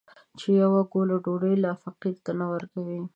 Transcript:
چې يوه ګوله ډوډۍ لا فقير ته نه ورکوي.